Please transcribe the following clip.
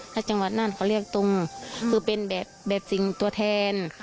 ถ้าจังหวัดน่านเขาเรียกตรงคือเป็นแบบสิ่งตัวแทน